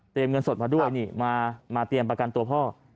เงินสดมาด้วยนี่มาเตรียมประกันตัวพ่อ